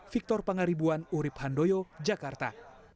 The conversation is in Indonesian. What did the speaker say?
victor pangaribuan urib handoyo jakarta